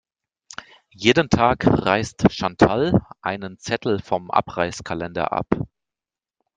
Jeden Tag reißt Chantal einen Zettel vom Abreißkalender ab.